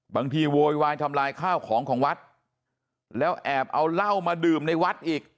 โวยวายทำลายข้าวของของวัดแล้วแอบเอาเหล้ามาดื่มในวัดอีก